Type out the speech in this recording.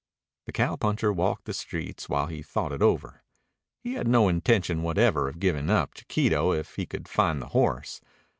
The cowpuncher walked the streets while he thought it over. He had no intention whatever of giving up Chiquito if he could find the horse.